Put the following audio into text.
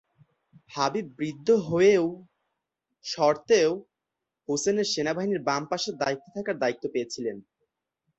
হাবিব বৃদ্ধ হয়েও সত্ত্বেও হুসেনের সেনাবাহিনীর বাম পাশের দায়িত্বে থাকার দায়িত্ব পেয়েছিলেন।